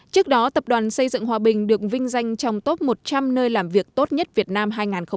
trước đó tập đoàn xây dựng hòa bình được vinh danh trong top một trăm linh nơi làm việc tốt nhất việt nam hai nghìn hai mươi